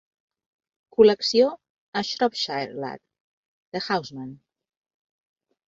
Col·lecció "A Shropshire Lad" de Housman.